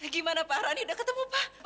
gimana pak rani udah ketemu pak